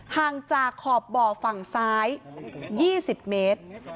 ห่างจากขอบบ่อฝั่งซ้าย๒๐เมตร